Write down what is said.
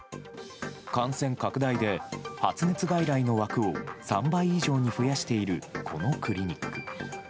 感染拡大で、発熱外来の枠を３倍以上に増やしているこのクリニック。